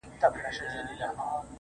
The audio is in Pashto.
په دې توپیر چي ځیني خلک ژر مخ ته ځي